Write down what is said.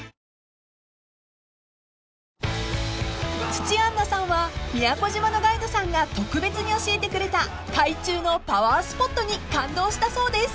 ［土屋アンナさんは宮古島のガイドさんが特別に教えてくれた海中のパワースポットに感動したそうです］